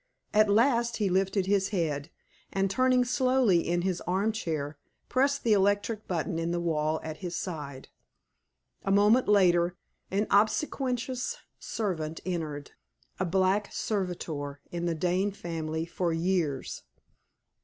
At last he lifted his head, and turning slowly in his arm chair, pressed the electric button in the wall at his side. A moment later, an obsequious servant entered a black servitor in the Dane family for years.